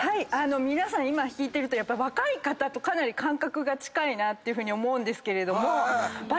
皆さん今聞いてると若い方とかなり感覚が近いなというふうに思うんですけれども。